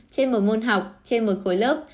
trên một môn học trên một khối lớp